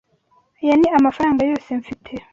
Aya ni amafaranga yose mfite.